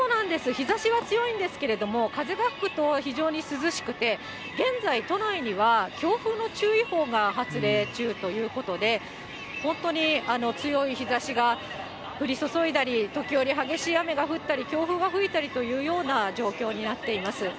日ざしは強いんですけれども、風が吹くと非常に涼しくて、現在、都内には強風の注意報が発令中ということで、本当に強い日ざしが降り注いだり、時折激しい雨が降ったり、強風が吹いたりというような状況になっています。